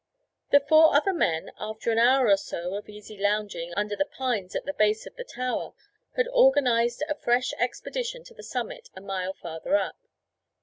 The four other men, after an hour or so of easy lounging under the pines at the base of the tower, had organized a fresh expedition to the summit a mile farther up.